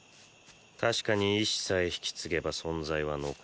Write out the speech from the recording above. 確かに意志さえ引き継げば存在は残り続ける。